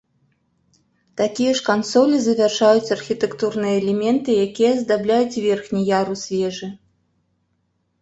Такія ж кансолі завяршаюць архітэктурныя элементы, якія аздабляюць верхні ярус вежы.